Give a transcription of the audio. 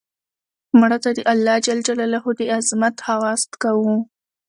مړه ته د الله ج د عظمت خواست کوو